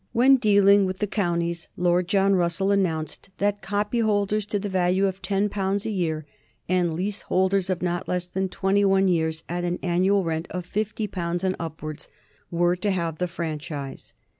When dealing with the counties Lord John Russell announced that copyholders to the value of ten pounds a year and leaseholders for not less than twenty one years at an annual rent of fifty pounds and upwards were to have the franchise.